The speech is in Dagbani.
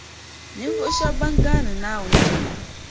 Ninvuɣu shεba ban gaandi Naawuni jɛma